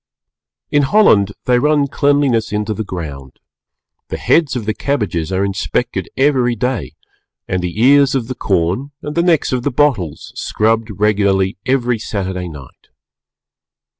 In Holland they run cleanliness into the ground, the heads of the cabbages are inspected every day and the ears of the corn and the necks of the bottles scrubbed regularly every Saturday night.